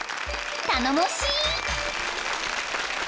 頼もしい］